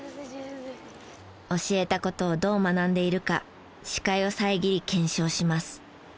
教えた事をどう学んでいるか視界を遮り検証します。